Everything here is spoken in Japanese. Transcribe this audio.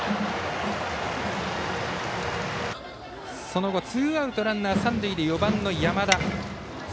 その後、ツーアウトランナー、三塁で４番の山田。